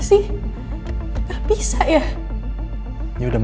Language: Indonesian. kece sama gue